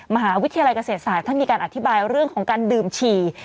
มหาวิทยาลัยเกษตรศาสตร์ท่านมีการอธิบายเรื่องของการดื่มฉี่